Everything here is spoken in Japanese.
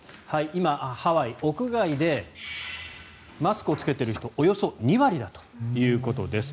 今、ハワイ屋外でマスクを着けている人およそ２割だということです。